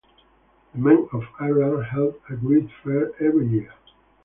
The men of Ireland held a great fair every year.